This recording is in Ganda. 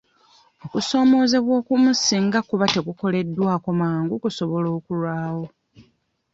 Okusoomoozebwa okumu singa kuba tekukoleddwako mangu kusobola okulwawo.